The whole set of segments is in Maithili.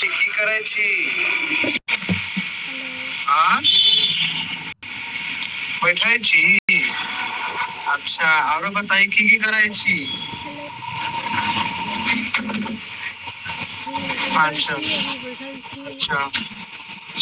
सब की करै छी हेलो बैठय छी अच्छा आरो बताइ की की करै छी हैेलो अभी सुतल छी अभी बैठल छी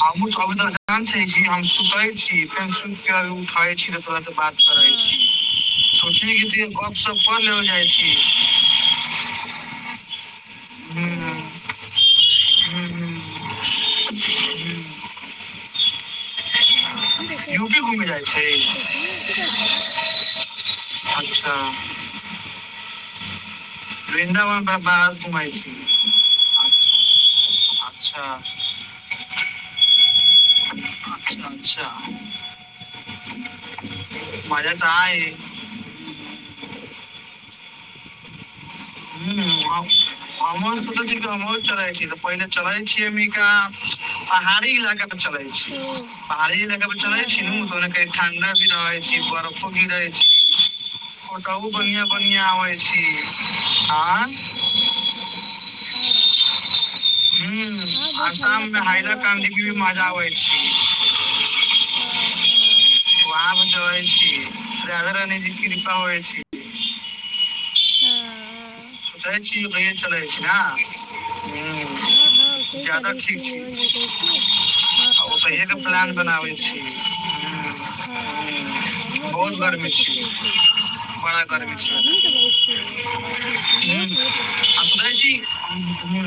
हमहुँ सब गाम छो हम सुतै छी फेर सुइत क उठाय छी बात करइ छी सोचने को तइयो गप्प सब क लेवल जाइ छी ओ हू आठ यूपी घुमै जाइ छै अच्छा वृन्दावन पर अच्छा अच्छा अच्छा मजा तऽ आय है हूँ हमहुँ सोचैत छिये तऽ पहिले चढ़ै छी मी का पहाड़ी इलाका चलै छी पहाड़ी इलाका पर चलै छी नु ओ ठण्डा भी रहै छै बर्फो भी रहै छै ओतहु बढ़ियां बढ़ियां आबै छी आंय अच्छा हँ हूँ आसाम मे हाइबे काम देके भी मजा आबै छै [inaudible] हँ हँ छी राधा रानी जी के कृपा होय छी हँ ओतय छी यो ट्रेन चलै छी ना हँ हँ हँ ओतही चलैइ छी नीमन जगह छी हँ खूब सुन्दर जगह छी जाइत छी हँ हँ हमहुँ ओतहि जायके सोचले छी न गर्मी तऽ बहु छी एने बहुत हँ असगरे छी हूँ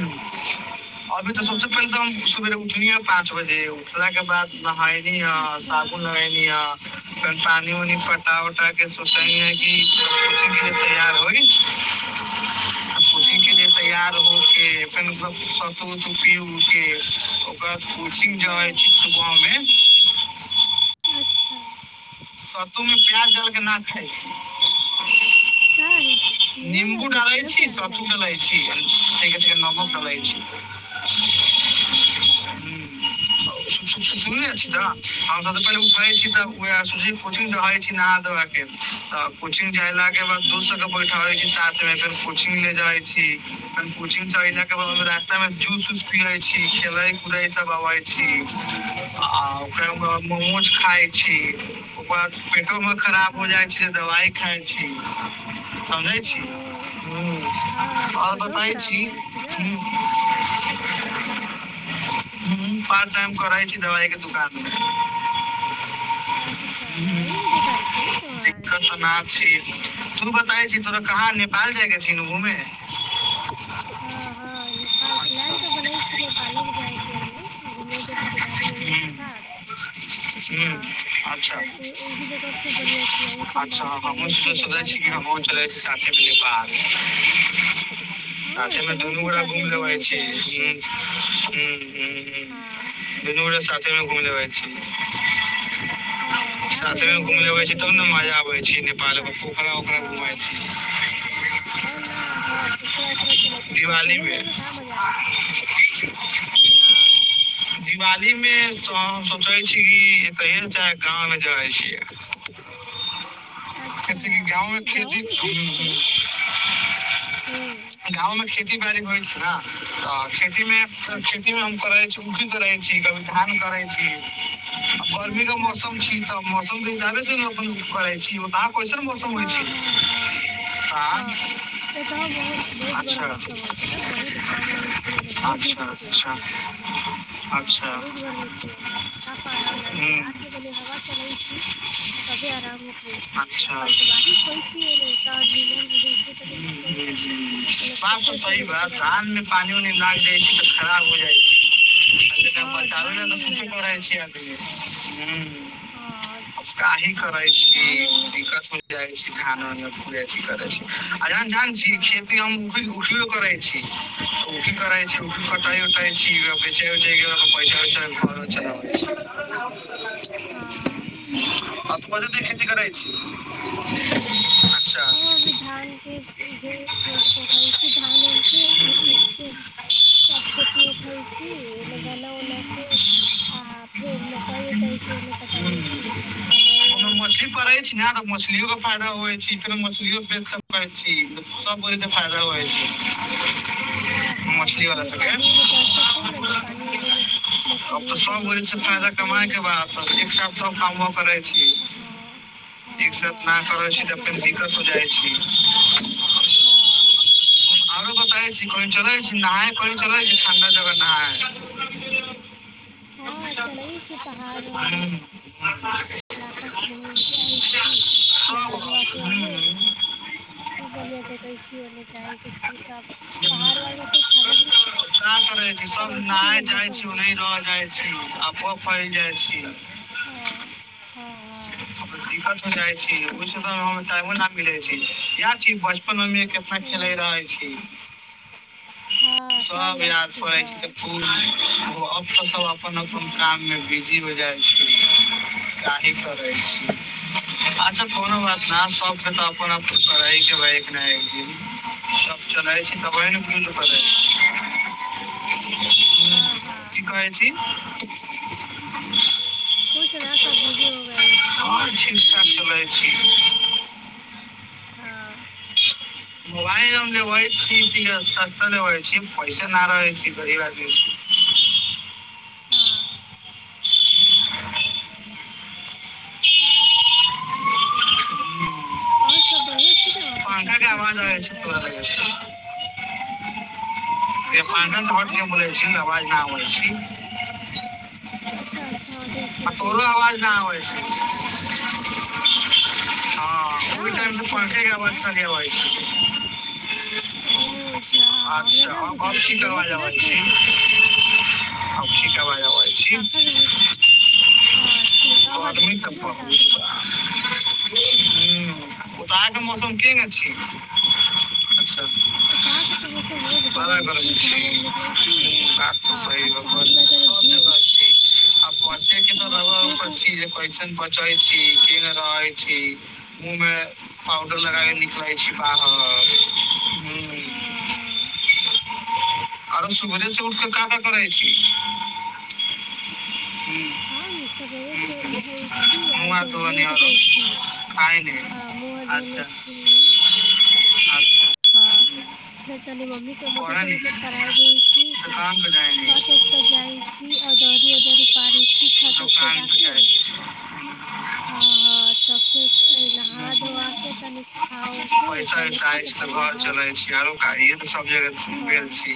अभी तऽ सबसे पहले तऽ हम सुेवे उठलि ह पाँच बजे उठला के बाद नहाय नी ह साबुन लगेैनी ह तनी पानी उनी पटा वटा सोचनी ह कि अच्छे से तैयार होइ [inaudible] आ तार हो के फेर मतलब सतु उतू पी उ के ओकर बाद कुलसीइ [unintelligible] गाँवमे अच्छा सत्तू मे प्याज डाल के न खाय छी नीम्बू डालइ छी सतू डालइ छी अ तनिका नमक डालइ छी ह [inaudible] अच्छा सु सु सुनने छी तऽ हम तऽ सबसे पहिले उठै छी तऽ उहे कोचिंग जबै नहा धोआ के कोचिंग जैला के बाद दोस्त सब के बैठाबै छी के साथ मे फेर कोचिंग ले जाइ छी कोचिंग से एवला के बाद रास्ता मे जूस नीक लागै छी खेलइ कुदै सब बबै छी आ ओकरा बाद मोमोज खााय छी पेटो मे खराब हो जाइ छै दबाइ खाइ छी समझै छी हँ आओर बताइ छी हम पार्ट टाइम करइ छी दवाइ के दुकान अच्छा दबाइए के दुकान छी न तोहर [unintelligible] बता तोरा कहाँ नेपाल जायके छी न घूमे हँ हँ नेपाल प्लान तऽ बनै छै नेपाले के जाय के ओने घूमे के परिवार आओरे के साथ हूँ अच्छा अच्छा हमहूँ सोचैत छी की हम कन चलै साथे मे नेपाल [inaudible] आ छल न दुनू गोरा घुम लेबै छी हुं हुं हुं हुं दुनू गोरा [unintelligible] साथेमे घुम लेबै छी हँ साथमे घुम ले जाइ छै पैसे उसे सभ पार्टी हँ हँ न हँ पोखरा उखरा चलै छै अकेले जाय मे कहाँ मजा आइ छै दिवालीमे सँ पै छी कि कहि ने चाहे गाँ मे जाइ छियै जैसे की गाँवमे खेती गांवमे खेती बाड़ी होइ छै ने त खेती मे खेती मे हम करे छी उी करे छी कभी धान करे छी आ गर्मी क मौसम छी तऽ मौसम के हिसाबे से नू अपन करै छी ओइसन मौसम होइ छै आ अच्छा अच्छा अच्छा अच्छा साफ आराम न छी रात मे हवा चलै छी तबे आराम उखै छी आ कल तऽ बारिश होइ छिय ने तऽ नीमन रहै छै तनी मौसम उसम ए तऽ फेर सेरे स बा धान मे पानी उनी लाग जाय छै तऽ खराब हो जाइ छै अ त बचाबे ल ह [unintelligible] कहि करे छी दिक्कर हो जाइ छी धान ऑन मे पुरे अथि करैत आ जन जान छी खेती हम उठ उठलो करै छी उठी कर छी उठ उ छी पैसा उैसा आथ मध त नै खेती करै छै [unintelligible] [unintelligible] हम अभी धान के उघै उघैत छी धान उन के उघके सभ खेती उघै छी एने गन्ना उनाके [inaudible] ओमे मछली पड़ै छै न तऽ मछलियो के पा होइ छी फेरो मछलियो बेच सब करै छी त सब ओहिसे फायदा होइ छै मछलीवला सबके चिमनिमे मछलियोसँ हम बोलै छी फायदा कमाये के बात आ एक साथ सब कामो करै छी एक साथ न करै छी तऽ फेनु दिक्कत हो जाइ छी आरो प कहइ छी कहि चलै छी नहाय कही चलै छी ठंडा जगह नहाय हँ चलै छी पहाड़ वहाड़े इलाका से घूमके आइ छी नहा धोआ के ओने खूब बढ़िया जगै छी ओने जाइके छी सब पहाड़ वहार प खूब ठंडा ठंडा का करै छी सब नहाय जाइ छै ओहें रह जाइ छै अफवाह फैल जाइ छी ह ह [inaudible] दिक्कत हो जाइ छी कुछ ना ओयमे टाइमो न मिलै छै याद छी बचपन मे हमे केतना खेले रहै छी सब याद पड़ै छै जे फूल वुल अब त सब अपना अपन अपन काम मे बिजी हो जाइ छै कि करै छी अच्छा कोनो बात न सबके तऽ अपन अपन रहैके होइ एक ना एक दिन तब रखै छी तब ओही ना कहलुं अहांके की कहय छी करै छी [unintelligible] आ मोबाइल हम लेबै छी तैका सस्ता लेबै छी पैसा ना रहै छै गरीब आदमी स [unintelligible] हँ ह [unintelligible] और सभ बढ़िआँ छी ने वहाँपर सभ ठीक छी जाय छी के फैने ध के बोलै छी आवाज ना आवै छी अच्छा अच्छा हटै छी हटै छी तनी साइड हँ कोइ टाइम त पंखे के आबाज खाली अबै छै ओ जा हमरा न बुझाइ छै बोलय के न चाही तोहर हँ पंखा के भुरी हँ ठीक आब हट होइ त बहुत ह्म ओत अहां के मौसम केने छी त त यहांके त मौसम बहुत गरम छी घाम उम निकले छी आ शाम मे तनि धूप बस ठीक छै धू हँ धूप उप चाहै छी दिन राति छी मुँह मे पाउडर लगाक निकलइ छी बाहर हँ हँ [inaudible] आरो सुबेरे से उठक का का करै छी ह सवेरे से उठ मूंह हाथ धोवली ह औरो खाय हां मूंह हाथ धोने छी हां फेर तनि मम्मी के मदत उदत कराय दै छी छत उत पर जाइत छी औदौरी उदउरी पारै छी छत उतपर जाकऽ ह हँअ् हँअ् तऽ फेर नहा धोआ के तनि खा ओ के पहिले खा के तऽ घर चलैइ छी आरो गाड़ियाऐ सब जगह गेल छी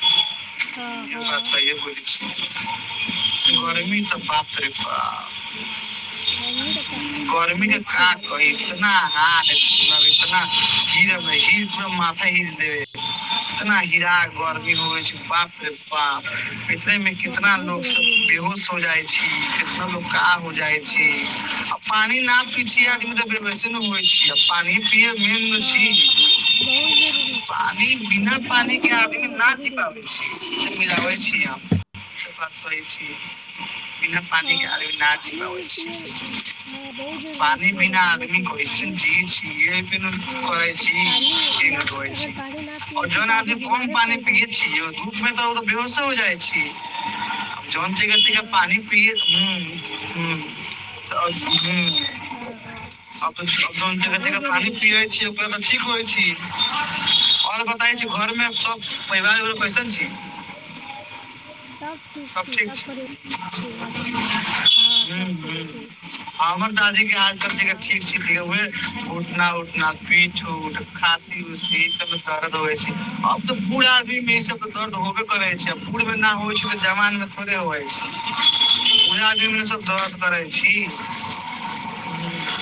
इहो बात त सहीए बोलिइछी गरमी तऽ बाप रे बाप रे हां गर्मी के का कहि एतना हाइ हि ह त मथा हिल देब एतना गिरा गर्मी होइ छैइ जे बाप रे बाप रे ऐसहि में कितना लोग सब बेहोश हो जाइ छी कितना लो का हो जाइ छै आ पानी न पी छी आदमी तऽ बेहोशे होइ छी पानि पीअ मेन मछी पानी बिना पानी के आदमी न जी पाबैइ छैइ मिलाबै छी छी बिना पानी के आ पानि बिनाा आदमी कैइसन जीयै छी करैछी की नई करैइ छी ओर जोन आदमी कम पानी पियै छी धूपमे ऽ भरोसा सा हो जाइ छी जौन सिंगल सिंगल पानि पियै छी हूंअ् हूंअ् आब त सबद जग जगा पानि पीइ छी ओकररा त ठीक होइ छी बताय छी घर में सब परिवार वार कैसन छी सब ठीक छैइ हूंअ् हूंअ् हमर दादीे के हाल चाल सब ठीक छैह वैहे उठना उठना पीठ उठ खाँसी उसी ई सब दरद होगा छैइ अब तऽ बूढ़ आदमी में ई सब दर्द होबे करै छै बूढ़ मे ना होइ छैइ तऽ जवान में थोड़े होइ छैइ सब दरद करै छी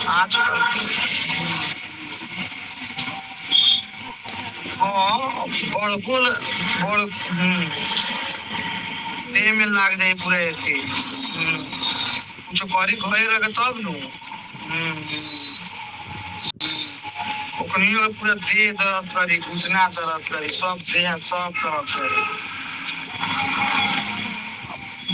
आजकल के हंअ् बलकुल ब ह देह में लाग जाय पुरे अथि किछु करे रहे तब नू हूं हूं हूं अखनियो पूरा देह दरद करी घुटना दरद करी सब देह सब तर करी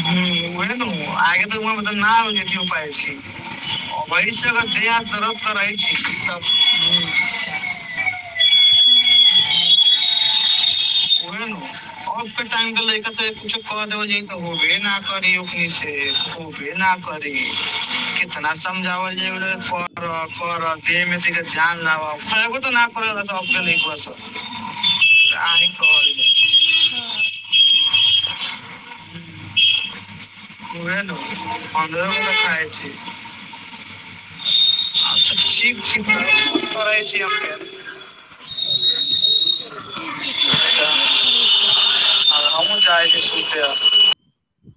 हूंअ् ओहे न ऊं आए मलब नहि हो उप व अगर दे दरै छै त [unintelligible] [inaudible] [inaudible] हँअ् ओह नू अब के टाइम के लईका के कुछो कर देबल जाई त होबे ना करी ओकरे से होबे न करी कितना समझावल जाइ फरक फरक मे जान ल तऽ न कर ल [unintelligible] हँअ। [unintelligible] ओहे नू पन्दर गो क खाइ छी और सब ठीक छी तब करै छी आहां के [unintelligible] ठीक छैइ ठीक छैइ फेर करै छियै फोन दस रुपआ